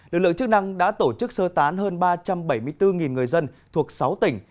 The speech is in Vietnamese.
lực lượng chức năng đã tổ chức sơ tán hơn ba trăm bảy mươi bốn người dân thuộc sáu tỉnh